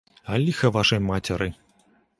А ліха вашай мацеры!